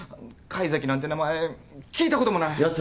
甲斐崎なんて名前聞いたこともない！